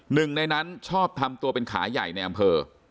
หนึ่งในนั้นชอบทำตัวเป็นขาใหญ่ในอำเภอ